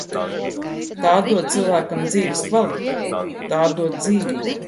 Tā atdod cilvēkam dzīves kvalitāti, tā atdod dzīvību.